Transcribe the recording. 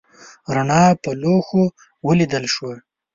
رڼا په لوښو ولیدل شوه.